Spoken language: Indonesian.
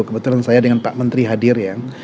kebetulan saya dengan pak menteri hadir ya